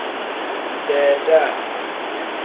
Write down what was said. Beeda.